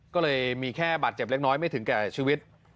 ก็เลยมีแค่บาดเจ็บเล็กน้อยไม่ถึงแก่ชีวิต